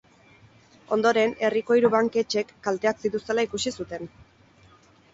Ondoren, herriko hiru banketxek kalteak zituztela ikusi zuten.